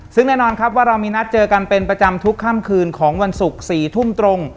ซึ่งแน่นอนครับว่าเรามีนัดเจอกันเป็นประจำทุกค่ำคืนของวันศุกร์๔ทุ่มตรง